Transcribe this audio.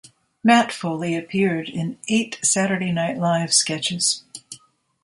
Matt Foley appeared in eight "Saturday Night Live" sketches.